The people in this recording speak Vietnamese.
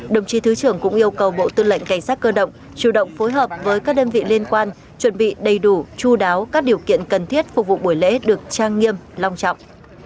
đồng chí thứ trưởng cũng yêu cầu bộ tư lệnh cảnh sát cơ động chủ động phối hợp với các đơn vị liên quan chuẩn bị đầy đủ chú đáo các điều kiện cần thiết phục vụ buổi lễ được trang nghiêm long trọng